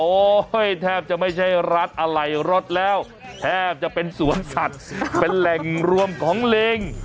โอ๊ยแทบจะไม่ใช่ร้านอาลัยรฌแล้วแทบจะเป็นศวรรษัตริย์เป็นแหล่งรวมของลิง